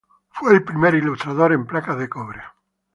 El fue el primer ilustrador en placas de cobre.